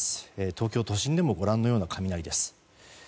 東京都心でもご覧のような雷です。